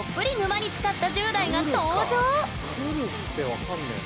作るって分かんねえな。